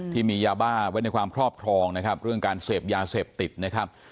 ที่มียาบ้าไว้ในความครอบครองนะครับเรื่องการเสพยาเสพติดนะครับ